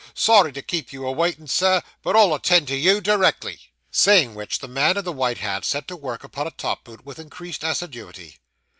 Sorry to keep you a waitin', Sir, but I'll attend to you directly.' Saying which, the man in the white hat set to work upon a top boot with increased assiduity.